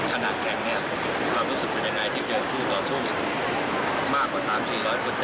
ขณะแก่งนี้ความรู้สึกเป็นยังไงที่เจอกันที่ต่อทุ่ม